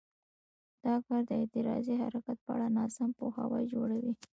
دا کار د اعتراضي حرکت په اړه ناسم پوهاوی جوړوي.